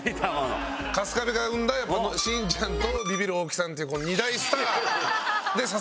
春日部が生んだしんちゃんとビビる大木さんっていうこの２大スターで支えられてますから。